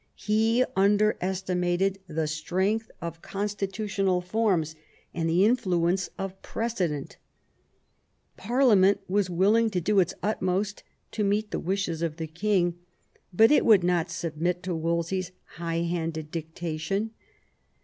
He under esti mated the strength of constitutional forms and the influence of precedent Parliament was willing to do its utmost to meet the wishes of the king, but it would not submit to Wolsey's high handed dictation.